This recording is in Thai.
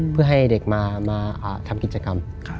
เพื่อให้เด็กมาทำกิจกรรม